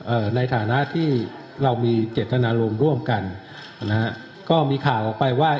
ในฐานะที่เรามีเจตนารมณ์ร่วมกันนะฮะก็มีข่าวออกไปว่า